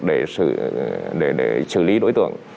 để xử lý đối tượng